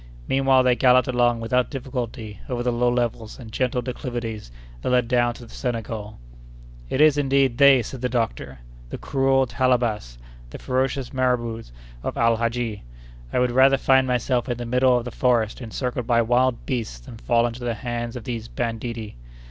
Meanwhile they galloped along without difficulty over the low levels and gentle declivities that lead down to the Senegal. "It is, indeed, they!" said the doctor; "the cruel Talabas! the ferocious marabouts of Al Hadji! I would rather find myself in the middle of the forest encircled by wild beasts than fall into the hands of these banditti."